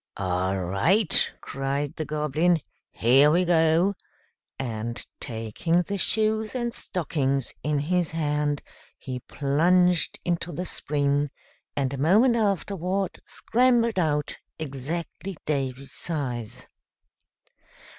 "All right!" cried the Goblin. "Here we go;" and, taking the shoes and stockings in his hand, he plunged into the spring, and a moment afterward scrambled out exactly Davy's size.